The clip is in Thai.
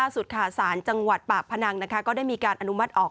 สุดค่ะสารจังหวัดปากพนังก็ได้มีการอนุมัติออก